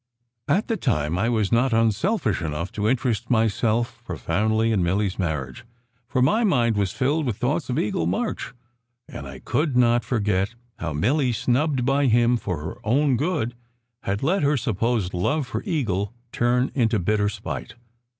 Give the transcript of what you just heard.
At the time I was not unselfish enough to interest myself profoundly in Milly s marriage, for my mind was filled with thoughts of Eagle March, and I could not forget how Milly, snubbed by him for her own good, had let her supposed love for Eagle turn into bitter spite.